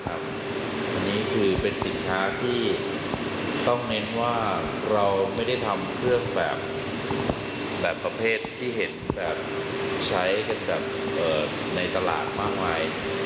อันนี้คือเป็นสินค้าที่ต้องเน้นว่าเราไม่ได้ทำเครื่องแบบประเภทที่เห็นแบบใช้กันแบบในตลาดมากมาย